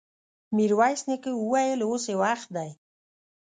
ميرويس نيکه وويل: اوس يې وخت دی!